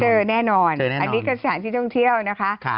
แน่นอนอันนี้ก็สถานที่ท่องเที่ยวนะคะ